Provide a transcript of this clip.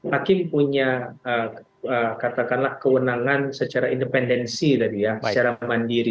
hakim punya katakanlah kewenangan secara independensi secara mandiri